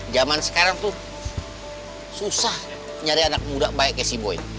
jaman sekarang tuh susah nyari anak muda baik kayak si boy